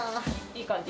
いい感じ。